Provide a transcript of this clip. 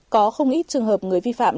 có không ít trường hợp người vi phạm